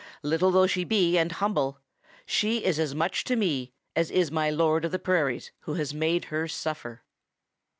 'Little though she be and humble, she is as much to me as is my Lord of the Prairies who has made her suffer.'